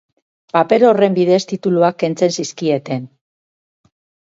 Paper horren bidez, tituluak kentzen zizkieten.